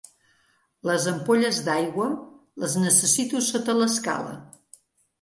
Les ampolles d'aigua, les necessito sota l'escala.